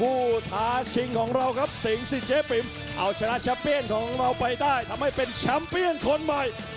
ดูผู้ชมครับผู้ทาชิงของเราครับสิ่งสิทธิ์เจ๊ปริมเอาชนะชัดเปลี่ยนของเราไปได้ทำให้เป็นชัดเปลี่ยนคนใหม่